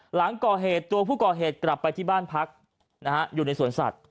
หลังก่อเหตุตัวผู้ก่อเหตุกลับไปที่บ้านพักนะฮะอยู่ในสวนสัตว